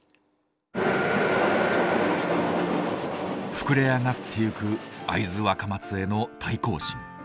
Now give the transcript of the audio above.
膨れ上がっていく会津若松への対抗心。